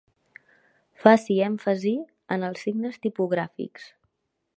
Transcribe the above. Faci èmfasi en els signes tipogràfics.